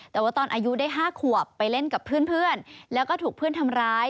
แต่ว่าตอนอายุได้๕ขวบไปเล่นกับเพื่อนแล้วก็ถูกเพื่อนทำร้าย